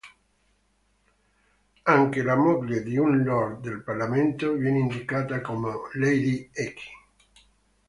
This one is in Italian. Anche la moglie di un lord del Parlamento viene indicata come "lady X".